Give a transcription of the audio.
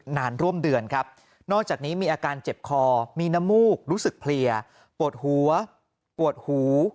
นานร่วมเดือนครับนอกจากนี้มีอาการเจ็บคอมีน้ำมูกรู้สึกเพลียปวดหัวปวดหู